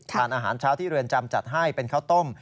ทานอาหารเช้าที่เรือนจำจัดให้เป็นข้าวต้ม